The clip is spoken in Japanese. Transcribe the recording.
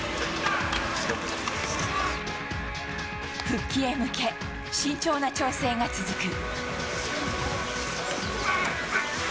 復帰へ向け、慎重な調整が続く。